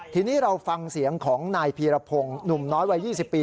ทีนี้เราฟังเสียงของนายพีรพงศ์หนุ่มน้อยวัย๒๐ปี